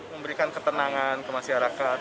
memberikan ketenangan ke masyarakat